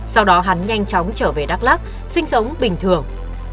sau đó hắn nhanh chóng trở về đắk lắc sinh sống bình thường